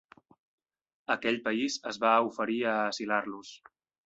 Aquell país es va oferir a asilar-los.